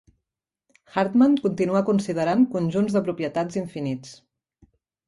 Hartman continua considerant conjunts de propietats infinits.